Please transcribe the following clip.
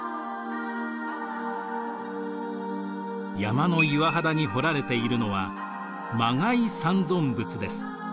山の岩肌に彫られているのは磨崖三尊仏です。